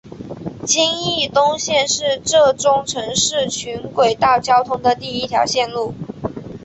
金义东线是浙中城市群轨道交通的第一条线路。